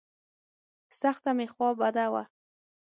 سخته مې خوا بده وه.